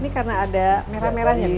ini karena ada merah merahnya